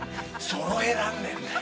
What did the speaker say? そろえらんねぇんだよ。